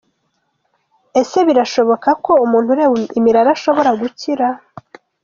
Ese birashoboka ko umuntu ureba imirari ashobora gukira?.